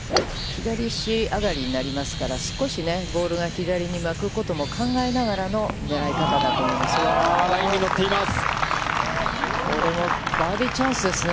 左足上がりになりますから、少し、ボールが左に巻くことも考えながらの狙い方だと思いますよ。